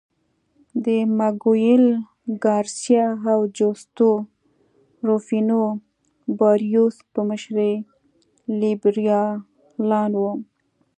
د مګویل ګارسیا او جوستو روفینو باریوس په مشرۍ لیبرالان وو.